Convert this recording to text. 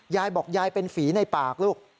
ยายบอกยายเป็นฝีในปากลูก